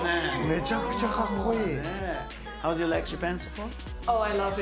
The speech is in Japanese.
めちゃくちゃかっこいい。